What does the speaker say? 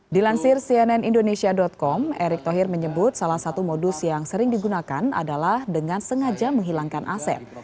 dilansir cnn indonesia com erick thohir menyebut salah satu modus yang sering digunakan adalah dengan sengaja menghilangkan aset